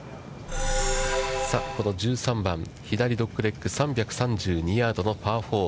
さあ、この１３番、左ドッグレッグ３３２ヤードのパー４。